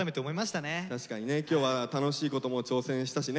確かにね今日は楽しいことも挑戦したしね。